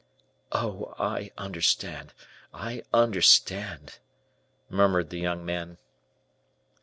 "Oh, I understand! I understand!" murmured the young man.